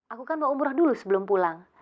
aku kan bawa umrah dulu sebelum pulang